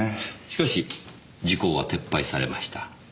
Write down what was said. しかし時効は撤廃されました。